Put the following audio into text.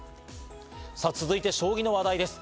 さぁ続いて、将棋の話題です。